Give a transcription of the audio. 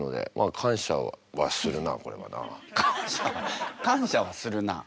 「感謝はするな」。